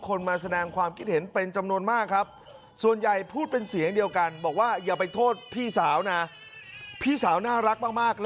ก็ไม่เป็นอะไรนะครับก็ปกติดีก็อยากฝากเตือนครับว่าอย่าปล่อย